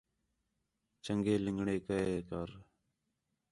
چنڳے لِنگڑے کئے کر